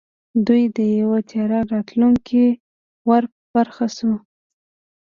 دوی ته یو تیاره راتلونکی ور په برخه شو